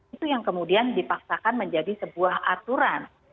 itu yang kemudian dipaksakan menjadi sebuah aturan